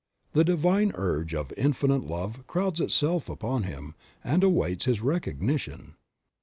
The divine urge of infinite love crowds itself upon him, and awaits his recognition.